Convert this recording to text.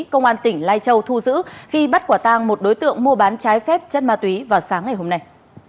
công an tỉnh lai châu thu giữ khi bắt quả tang một đối tượng mua bán trái phép chất ma túy vào sáng ngày hôm nay